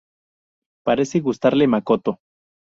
Parece gustarle Makoto.